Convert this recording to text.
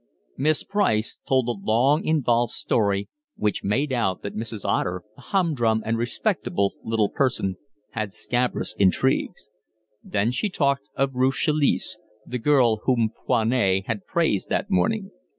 Miss Price told him a long, involved story, which made out that Mrs. Otter, a humdrum and respectable little person, had scabrous intrigues. Then she talked of Ruth Chalice, the girl whom Foinet had praised that morning.